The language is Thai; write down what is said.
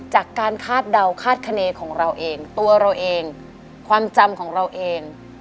คาดเดาคาดคณีของเราเองตัวเราเองความจำของเราเอง